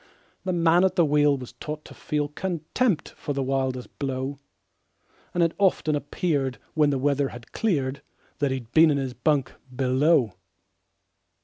The man at the wheel was taught to feel Contempt for the wildest blow, And it often appeared, when the weather had cleared, That he'd been in his bunk below.